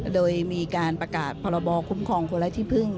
โดยมีการประกาศพรบคุ้มครองคนไร้ที่พึ่ง